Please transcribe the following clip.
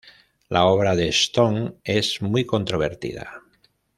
La obra de Stone es muy controvertida.